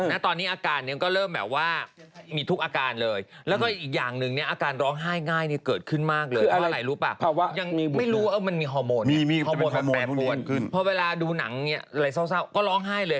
แต่ตอนนี้อาการก็เริ่มแบบว่ามีทุกอาการเลย